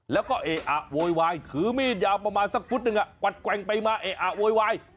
แล้วก็เออะโวยวายถือมีดยาวประมาณสักฟุตหนึ่งกวัดแกว่งไปมาเอะอะโวยวาย